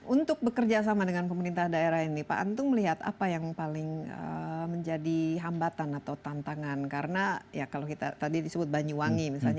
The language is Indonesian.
untuk bekerja sama dengan pemerintah daerah ini pak antung melihat apa yang paling menjadi hambatan atau tantangan karena ya kalau kita tadi disebut banyuwangi misalnya